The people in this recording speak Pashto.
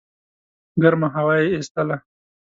ګرمه هوا یې ایستله.